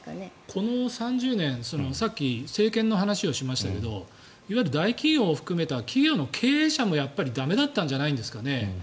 この３０年さっき、政権の話をしましたけどいわゆる大企業を含めた企業の経営者も駄目だったんじゃないんですかね。